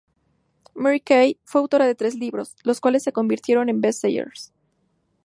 Mary Kay fue autora de tres libros, los cuales se convirtieron en best-sellers.